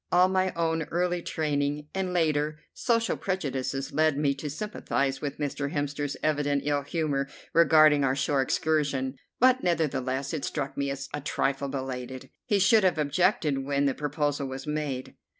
All my own early training and later social prejudices led me to sympathize with Mr. Hemster's evident ill humour regarding our shore excursion, but nevertheless it struck me as a trifle belated. He should have objected when the proposal was made.